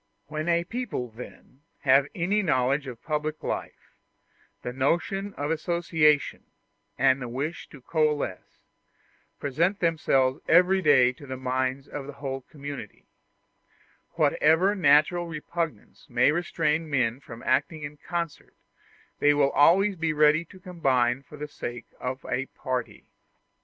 When a people, then, have any knowledge of public life, the notion of association, and the wish to coalesce, present themselves every day to the minds of the whole community: whatever natural repugnance may restrain men from acting in concert, they will always be ready to combine for the sake of a party.